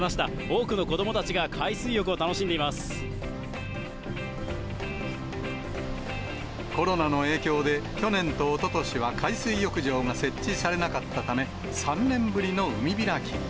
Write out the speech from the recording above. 多くの子どもたちが海水浴を楽しコロナの影響で、去年とおととしは海水浴場が設置されなかったため、３年ぶりの海開きに。